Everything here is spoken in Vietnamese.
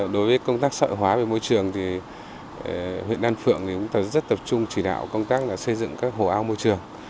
đối với công tác sợi hóa về môi trường thì huyện đan phượng cũng rất tập trung chỉ đạo công tác là xây dựng các hồ ao môi trường